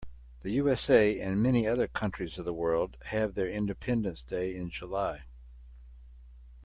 The USA and many other countries of the world have their independence day in July.